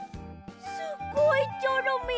すごいチョロミー！